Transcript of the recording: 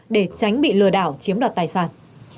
để tránh bị lừa đảo chiếm đoạt tài sản